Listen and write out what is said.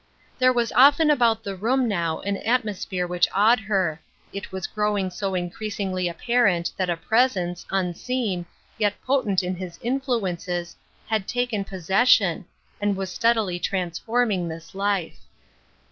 There was often about the room now an atmos phere which awed her, — it was growing so increas ingly apparent that a Presence, unseen, yet potent in His influences, had taken possession, and was steadily transforming this life.